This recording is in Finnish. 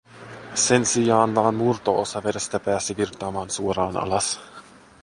Sen sijaan vain murto-osa vedestä pääsi virtaamaan suoraan alas.